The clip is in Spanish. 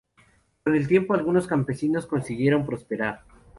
Con el tiempo algunos campesinos consiguieron prosperar.